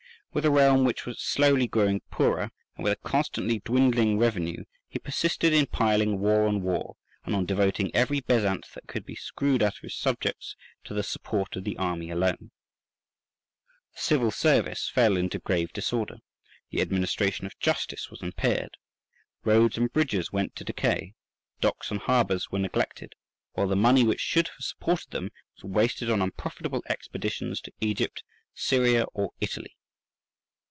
With a realm which was slowly growing poorer, and with a constantly dwindling revenue, he persisted in piling war on war, and on devoting every bezant that could be screwed out of his subjects to the support of the army alone. The civil service fell into grave disorder, the administration of justice was impaired, roads and bridges went to decay, docks and harbours were neglected, while the money which should have supported them was wasted on unprofitable expeditions to Egypt, Syria, or Italy.